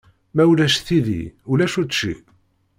Ma ulac tidi ulac učči.